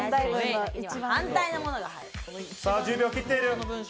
１０秒切っている。